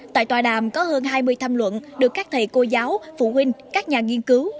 tại tòa đàm có hơn hai mươi tham luận được các thầy cô giáo phụ huynh các nhà nghiên cứu